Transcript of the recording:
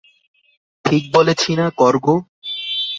ঠিক বলেছি না, কর্গ?